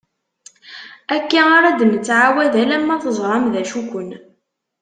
Akka ara d-nettɛawad alamma teẓram d acu-kum.